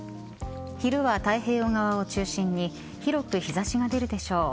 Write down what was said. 昼は太平洋側を中心に広く日差しが出るでしょう。